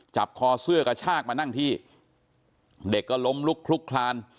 คอเสื้อกระชากมานั่งที่เด็กก็ล้มลุกคลุกคลาน